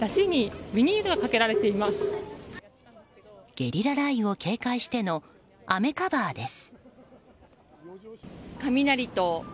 山車にゲリラ雷雨を警戒しての雨カバーです。